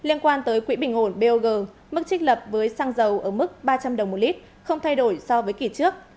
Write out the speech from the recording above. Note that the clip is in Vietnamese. liên quan tới quỹ bình ổn bog mức trích lập với xăng dầu ở mức ba trăm linh đồng một lít không thay đổi so với kỷ trước